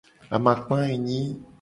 Amakpa enyi.